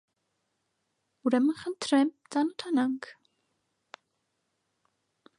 - Ուրեմն խնդրեմ ծանոթանաք: